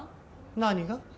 何が？